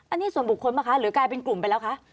อันนี้ส่วนบุคคลป่ะคะหรือกลายเป็นกลุ่มไปแล้วคะ